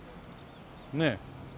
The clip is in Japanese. ねえ。